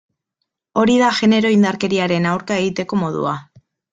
Hori da genero indarkeriaren aurka egiteko modua.